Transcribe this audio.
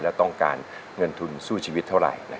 แล้วต้องการเงินทุนสู้ชีวิตเท่าไหร่